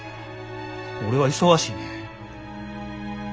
俺は忙しいねん。